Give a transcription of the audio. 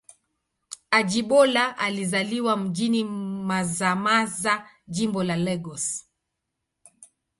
Ajibola alizaliwa mjini Mazamaza, Jimbo la Lagos.